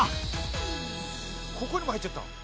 「ここにも入っちゃった？